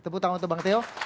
tepuk tangan untuk bang teo